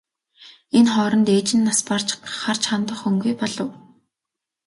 Энэ хооронд ээж нь нас барж харж хандах хүнгүй болов.